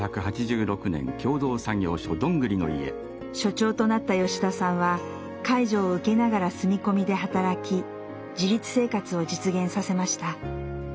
所長となった吉田さんは介助を受けながら住み込みで働き自立生活を実現させました。